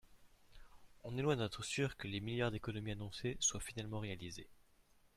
on est loin d’être sûrs que les milliards d’économies annoncés soient finalement réalisés.